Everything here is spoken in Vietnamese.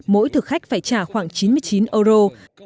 mỗi thực khách phải trả khoảng chín mươi chín euro